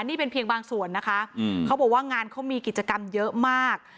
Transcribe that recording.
นี่เป็นเพียงบางส่วนนะคะเขาบอกว่างานเขามีกิจกรรมเยอะมาก